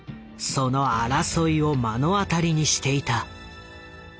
その争いを目の当たりにしていた。